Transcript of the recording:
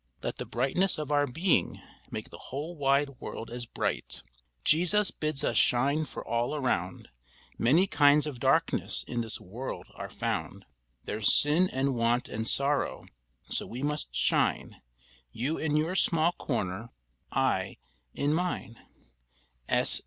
Let the brightness of our being Make the whole wide world as bright_ "_Jesus bids us shine for all around. Many kinds of darkness in this world are found. There's sin and want and sorrow, so we must shine, You in your small corner, I in mine."